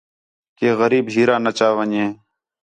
کہ غریب ہیرا نا چا ون٘ڄے